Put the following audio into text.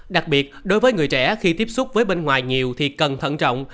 đặc biệt đối với người trẻ khi tiếp xúc với bên ngoài nhiều thì cần thận trọng